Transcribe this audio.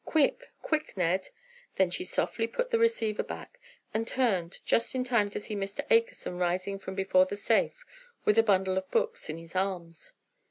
Quick, quick, Ned!" Then she softly put the receiver back and turned just in time to see Mr. Akerson rising from before the safe with a bundle of books in his arms.